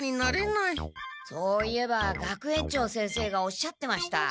そういえば学園長先生がおっしゃってました。